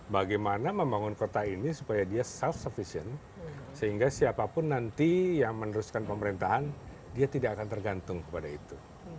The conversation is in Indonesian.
bagaimana membangun kota ini supaya dia self sufficient sehingga siapapun nanti yang meneruskan pemerintahan dia tidak akan tergantung kepada itu